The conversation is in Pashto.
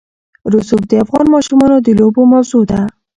رسوب د افغان ماشومانو د لوبو موضوع ده.